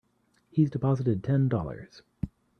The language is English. He's deposited Ten Dollars.